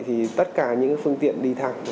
thì tất cả những phương tiện đi thẳng